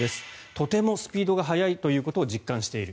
とてもスピードが早いということを実感している。